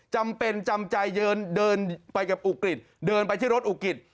จำเป็นจำใจเดินไปกับอุกฤษเดินไปที่รถอุกิต